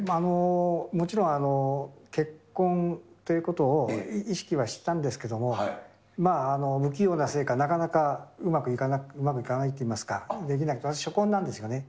もちろん、結婚ということを意識はしてたんですけども、不器用なせいか、なかなかうまくいかないっていいますか、できなくて、私、初婚なんですよね。